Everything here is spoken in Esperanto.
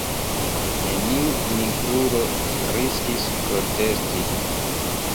Neniu nigrulo riskis protesti.